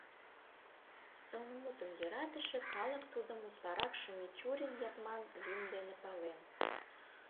Сылнымутым йӧратыше калык тудым утларакше Мичурин-Ятман лӱм дене пален.